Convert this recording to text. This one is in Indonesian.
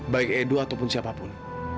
baik edu ataupun siapapun